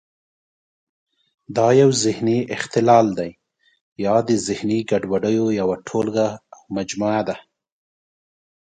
دا یو ذهني اختلال دی یا د ذهني ګډوډیو یوه ټولګه او مجموعه ده.